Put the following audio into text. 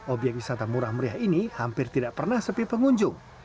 obyek wisata murah meriah ini hampir tidak pernah sepi pengunjung